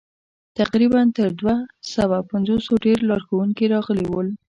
تقریباً تر دوه سوه پنځوسو ډېر لارښوونکي راغلي ول.